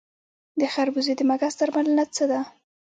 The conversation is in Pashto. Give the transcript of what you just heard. د خربوزې د مګس درملنه څه ده؟